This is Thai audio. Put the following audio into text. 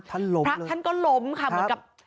ล้มพระท่านก็ล้มค่ะเหมือนกับ